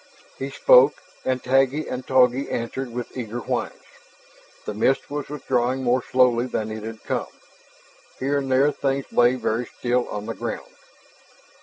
He spoke. And Taggi and Togi answered with eager whines. The mist was withdrawing more slowly than it had come. Here and there things lay very still on the ground.